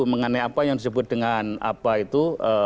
mengenai apa yang disebut dengan apa itu